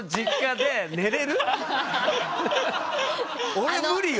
俺無理よ。